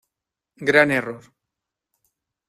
Gran error.